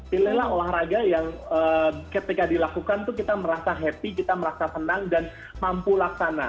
pilihlah olahraga yang ketika dilakukan tuh kita merasa happy kita merasa senang dan mampu laksana